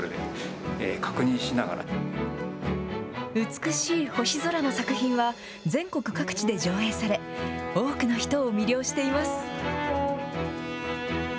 美しい星空の作品は全国各地で上映され、多くの人を魅了しています。